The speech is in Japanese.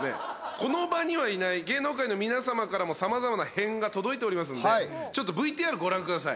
この場にはいない芸能界の皆様からも様々な変が届いておりますんでちょっとＶＴＲご覧ください